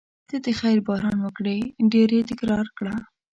ته د خیر باران وکړې ډېر یې تکرار کړه.